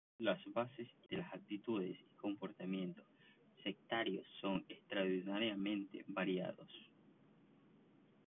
Las bases ideológicas de las actitudes y comportamientos sectarios son extraordinariamente variados.